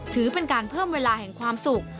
ถือเป็นการเพิ่มเวลาแห่งความสุข